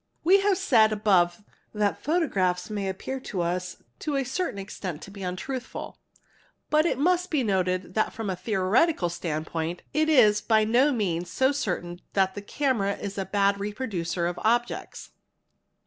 | We have said above that photographs may appear to us to a certain extent to be untruthful, but it must be noted that from a theoretical stand point it is by no means so certain that the camera is a bad reproducer of ~ objects.